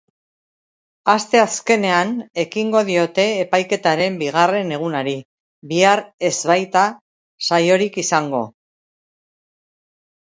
Asteazkenean ekingo diote epaiketaren bigarren egunari, bihar ez baita saiorik izango.